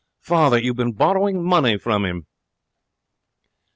'Father, you've been borrowing money from him!'